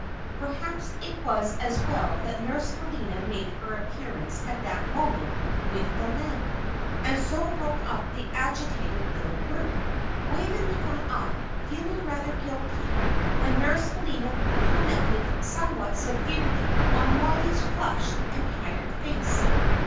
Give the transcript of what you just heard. Perhaps it was as well that Nurse Helena made her appearance at that moment with the lamp, and so broke up the agitated little group. Waveney got up, feeling rather guilty, when Nurse Helena commented somewhat severely on Mollie's flushed and tired face.